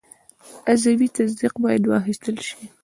عضوي تصدیق باید واخیستل شي.